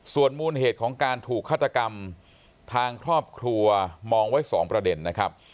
ส่วนมูลเหตุของการถูกฆาตกรรมทางครอบครัวมองไว้๒ประเด็นนะครับ